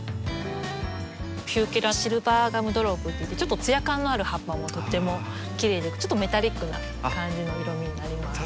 ヒューケラシルバーガムドロップといってちょっと艶感のある葉っぱもとってもきれいでちょっとメタリックな感じの色みになります。